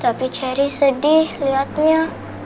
tapi cherry sedih liatnya